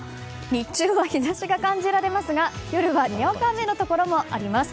日中は日差しが感じられますが夜はにわか雨のところもあります。